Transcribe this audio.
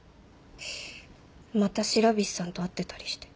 また白菱さんと会ってたりして。